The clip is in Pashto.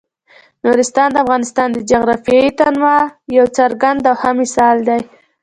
نورستان د افغانستان د جغرافیوي تنوع یو څرګند او ښه مثال دی.